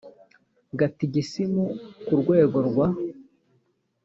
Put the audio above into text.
gatigisimu ku rwego rwa